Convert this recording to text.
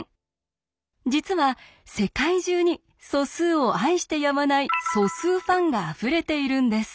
実は世界中に素数を愛してやまない素数ファンがあふれているんです。